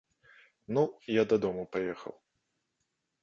Ну, я дадому паехаў.